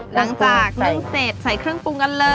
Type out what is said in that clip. นึ่งเสร็จใส่เครื่องปรุงกันเลย